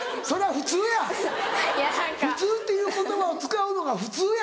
「普通」っていう言葉を使うのが普通や！